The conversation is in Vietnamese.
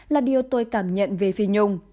là điều tôi cảm nhận về phi nhung